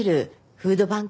フードバンク？